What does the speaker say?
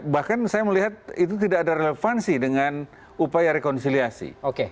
bahkan saya melihat itu tidak ada relevansi dengan upaya rekonsiliasi